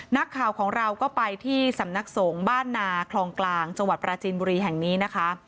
นักข่าวของเราก็ไปที่สำนักสงฆ์บ้านนาคลองกลางจังหวัดปราจีนบุรีแห่งนี้นะคะ